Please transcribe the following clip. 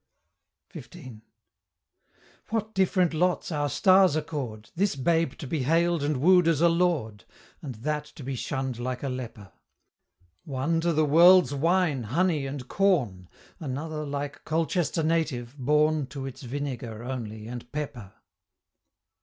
XV. What different lots our stars accord! This babe to be hail'd and woo'd as a Lord! And that to be shun'd like a leper! One, to the world's wine, honey, and corn, Another, like Colchester native, born To its vinegar, only, and pepper.